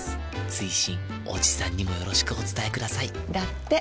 追伸おじさんにもよろしくお伝えくださいだって。